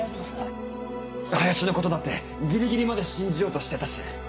林のことだってぎりぎりまで信じようとしてたし。